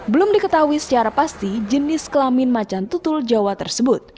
belum diketahui secara pasti jenis kelamin macan tutul jawa tersebut